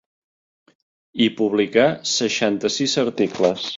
Hi publicà seixanta-sis articles.